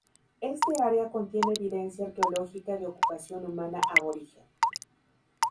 Este área contiene evidencia arqueológica de ocupación humana aborigen.